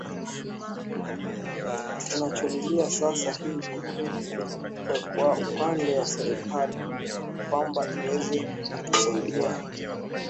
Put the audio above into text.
tunacholilia sasa hivi kwe kwa upande wa serikali ni kwamba iweze kutusaidia